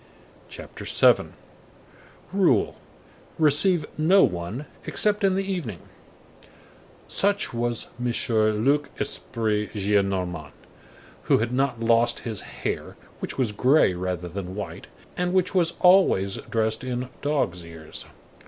CHAPTER VII—RULE: RECEIVE NO ONE EXCEPT IN THE EVENING Such was M. Luc Esprit Gillenormand, who had not lost his hair,—which was gray rather than white,—and which was always dressed in "dog's ears."